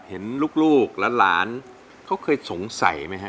เห็นลูกหลานเขาเคยสงสัยไหมฮะ